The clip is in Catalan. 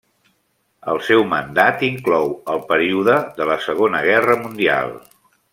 El seu mandat inclou el període de la Segona Guerra Mundial.